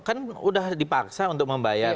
kan sudah dipaksa untuk membayar